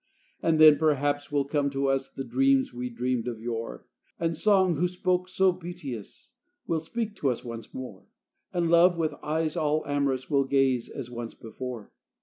And then, perhaps, will come to us The dreams we dreamed of yore; And song, who spoke so beauteous, Will speak to us once more; And love, with eyes all amorous, Will gaze as once before.